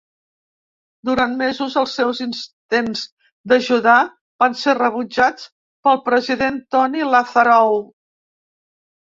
Durant mesos, els seus intents d'ajudar van ser rebutjats pel president Tony Lazarou.